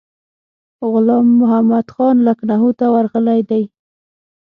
غلام محمدخان لکنهو ته ورغلی دی.